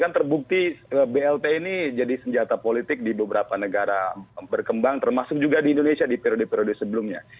kan terbukti blt ini jadi senjata politik di beberapa negara berkembang termasuk juga di indonesia di periode periode sebelumnya